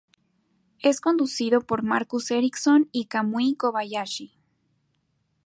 Es conducido por Marcus Ericsson y por Kamui Kobayashi.